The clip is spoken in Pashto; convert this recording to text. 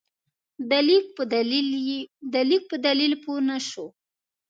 د لیک په دلیل پوه نه شو.